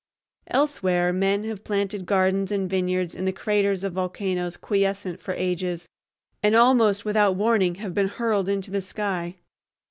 Elsewhere men have planted gardens and vineyards in the craters of volcanoes quiescent for ages, and almost without warning have been hurled into the sky.